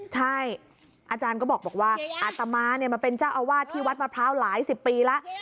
ใช่อาจารย์ก็บอกว่าอาตมามาเป็นเจ้าอาวาสที่วัดมะพร้าวหลายสิบปีแล้ว